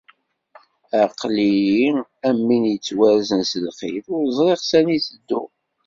Aql-i am win yettwarzen s lqid, ur ẓriɣ sani i tedduɣ.